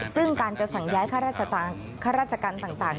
ซึ่งการจะสั่งย้ายค่าราชการต่าง